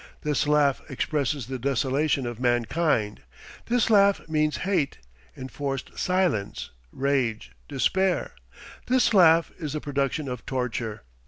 This laugh expresses the desolation of mankind. This laugh means hate, enforced silence, rage, despair. This laugh is the production of torture.